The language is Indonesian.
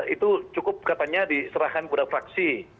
itu cukup katanya diserahkan kepada fraksi